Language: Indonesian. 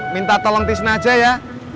minta tolong tisnya aja ya